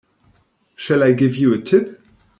Shall I give you a tip?